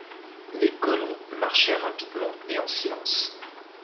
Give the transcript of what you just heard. Les colons marchaient rapidement et en silence.